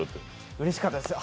うれしかったです。